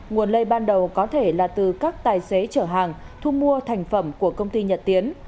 nguồn lây ban đầu có thể là từ các tài xế chở hàng thu mua thành phẩm của công ty nhật tiến